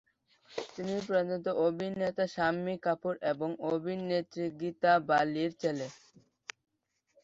তিনি প্রয়াত অভিনেতা শাম্মী কাপুর এবং অভিনেত্রী গীতা বালির ছেলে।